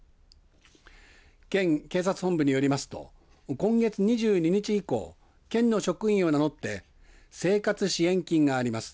県警察本部によりますと今月２２日以降、県の職員を名乗って生活支援金があります。